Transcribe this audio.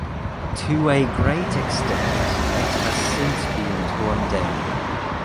To a great extent, it has since been torn down.